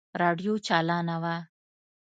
راډيو چالانه وه.